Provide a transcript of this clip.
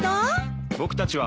僕たちは。